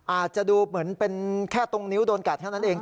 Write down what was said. อาจจะดูเหมือนเป็นแค่ตรงนิ้วโดนกัดเท่านั้นเอง